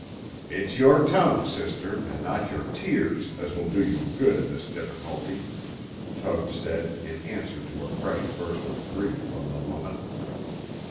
"It's your tongue, sister, and not your tears, as will do you good in this difficulty," Tug said, in answer to a fresh burst of grief from the woman.